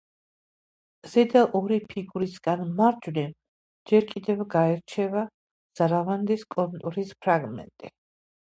ზედა ორი ფიგურისგან, მარჯვნივ, ჯერ კიდევ გაირჩევა შარავანდის კონტურის ფრაგმენტი.